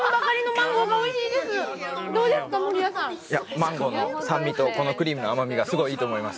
マンゴーの酸味と、このクリームの甘みがすごいいいと思います。